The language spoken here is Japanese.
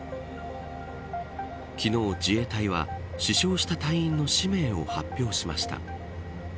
昨日、自衛隊は死傷した隊員の氏名を発表しました。